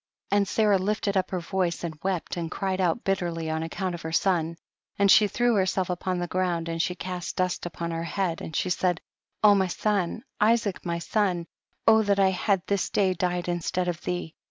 79. And Sarah lifted up her voice and wept and cried out bitterly on accoimt of her son ; and she threw herself upon the ground and she cast dust upon her head, and she said, O my son, Isaac my son, O that I had this day died instead of thee.